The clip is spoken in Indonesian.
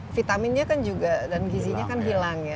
vitaminnya kan juga dan gizinya kan hilang ya